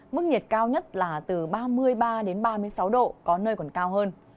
mức nhiệt cao nhất là từ ba mươi ba đến ba mươi sáu độ có nơi còn cao hơn